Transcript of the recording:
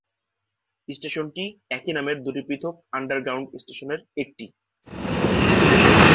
স্টেশনটি একই নামের দুটি পৃথক আন্ডারগ্রাউন্ড স্টেশনের একটি।